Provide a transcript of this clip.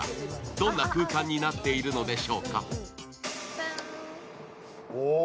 どんな空間になっているのでしょうか。